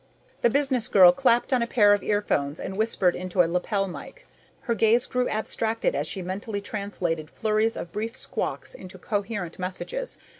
The business girl clapped on a pair of earphones and whispered into a lapel mike. Her gaze grew abstracted as she mentally translated flurries of brief squawks into coherent messages.